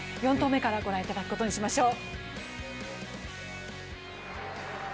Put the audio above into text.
４投目から御覧いただくことにしましょう。